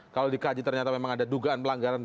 kalau dikaji ternyata memang ada dugaan pelanggaran